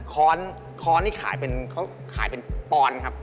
คอร์นนี่ขายเป็นปอนครับ